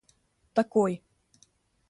такой